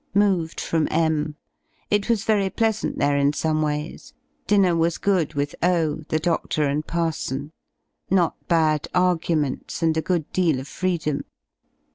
Moved from M It was very pleasant there in some ways: dinner was good with O , the doftor, and parson; not bad arguments, and a good deal of freedom.